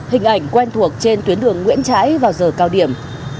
hình ảnh quen thuộc trên tuyến đường nguyễn trãi vào giờ cao điểm